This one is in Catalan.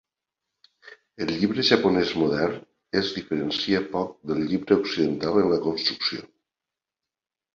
El llibre japonès modern es diferencia poc del llibre occidental en la construcció.